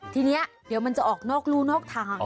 ทีนี้เดี๋ยวมันจะออกนอกลูก